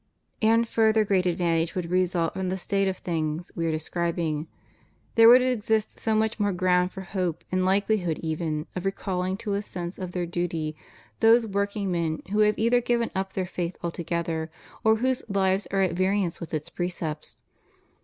And further great advantage would result from the state of things We are describing; there would exist so much more ground for hope, and likelihood even, of re calling to a sense of their duty those workingmen who have either given up their faith altogether, or whose lives are at variance with its precepts.